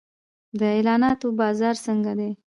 د اعلاناتو بازار څنګه دی؟